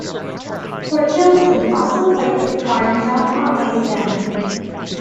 Torkildsen also played guitar in John Otway's band.